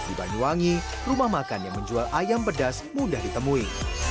di banyuwangi rumah makan yang menjual ayam pedas mudah ditemui